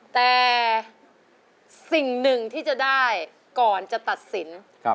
แต่สิ่งหนึ่งที่จะได้ก่อนจะตัดสิน